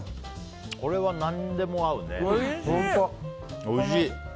これは何にでも合うねおいしい！